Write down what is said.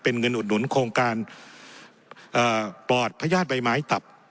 เป็นเงินอุดหนุนโครงการปอดพญาติใบไม้ตับ